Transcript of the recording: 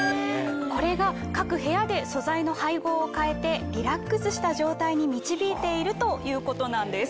これが各部屋で素材の配合を変えてリラックスした状態に導いているということなんです。